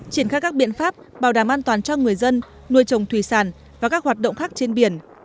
triển khai các biện pháp bảo đảm an toàn cho người dân nuôi trồng thủy sản và các hoạt động khác trên biển